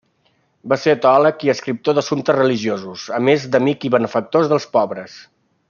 Va ser teòleg i escriptor d'assumptes religiosos, a més d'amic i benefactors dels pobres.